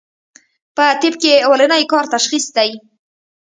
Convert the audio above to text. پۀ طب کښې اولنی کار تشخيص دی